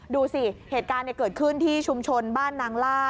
ดูสิเหตุการณ์เกิดขึ้นที่ชุมชนบ้านนางล่า